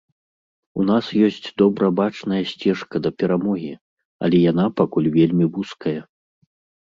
У нас ёсць добра бачная сцежка да перамогі, але яна пакуль вельмі вузкая.